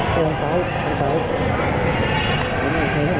สวัสดีครับ